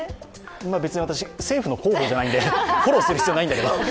別に私、政府の広報じゃないのでフォローする必要ないんだけど。